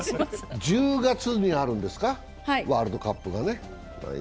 １０月にあるんですか、ワールドカップがね。